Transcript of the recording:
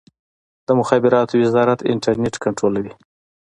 د مخابراتو وزارت انټرنیټ کنټرولوي؟